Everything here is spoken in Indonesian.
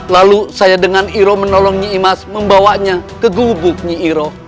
lalu saya dengan iroh menolong nyi imas membawanya ke gugup nyi iroh